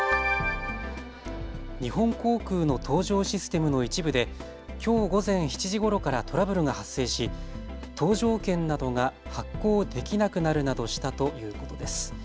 日本航空の搭乗システムの一部できょう午前７時ごろからトラブルが発生し搭乗券などが発行できなくなるなどしたということです。